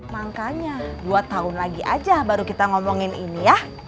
makanya dua tahun lagi aja baru kita ngomongin ini ya